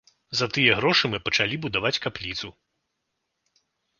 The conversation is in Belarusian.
За тыя грошы мы пачалі будаваць капліцу.